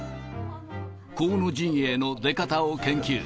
河野陣営の出方を研究。